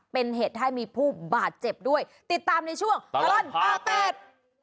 เป็นเหตุให้มีผู้บาดเจ็บด้วยติดตามในช่วงตลอดอาเต็ด